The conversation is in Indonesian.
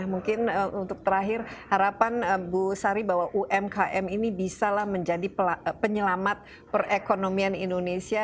mungkin untuk terakhir harapan bu sari bahwa umkm ini bisa lah menjadi penyelamat perekonomian indonesia